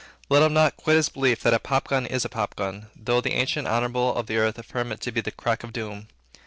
Let him not quit his belief that a popgun is a popgun, though the ancient and honorable of the earth affirm it to be the crack of doom.